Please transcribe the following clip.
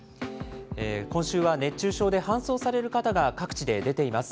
今週は熱中症で搬送される方が各地で出ています。